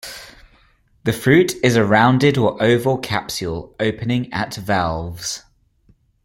The fruit is a rounded or oval capsule opening at valves.